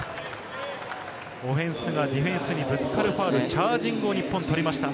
オフェンスがディフェンスにぶつかるファウル、チャージングを日本が取りました。